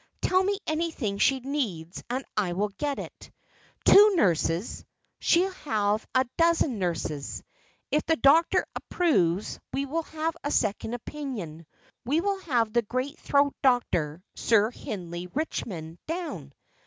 "Tell me anything she needs, and I will get it. Two nurses! she shall have a dozen nurses. If the doctor approves, we will have a second opinion; we will have the great throat doctor, Sir Hindley Richmond, down."